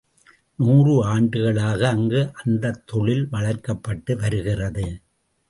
நாறு ஆண்டுகளாக அங்கு அந்தத் தொழில் வளர்க்கப்பட்டு வருகிறது.